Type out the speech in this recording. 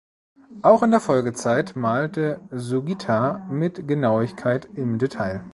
Auch in der Folgezeit malte Sugita mit Genauigkeit im Detail.